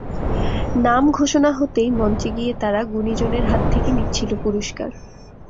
নাম ঘোষণা হতেই মঞ্চে গিয়ে তারা গুণীজনের হাত থেকে নিচ্ছিল পুরস্কার।